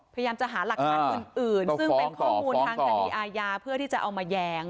พยายามจะหาหลักฐานอื่นซึ่งเป็นข้อมูลทางคดีอาญาเพื่อที่จะเอามาแย้ง